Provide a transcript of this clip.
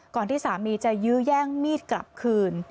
ที่สามีจะยื้อแย่งมีดกลับคืน